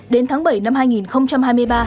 đến tháng bảy năm hai nghìn hai mươi